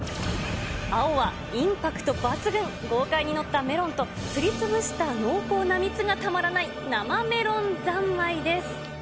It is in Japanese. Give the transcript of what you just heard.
青は、インパクト抜群、豪快に載ったメロンと、すりつぶした濃厚な蜜がたまらない生めろん三昧です。